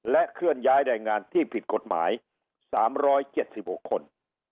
เคลื่อนย้ายแรงงานที่ผิดกฎหมาย๓๗๖คน